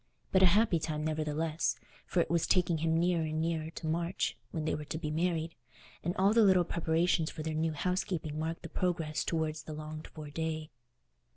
But a happy time, nevertheless, for it was taking him nearer and nearer to March, when they were to be married, and all the little preparations for their new housekeeping marked the progress towards the longed for day.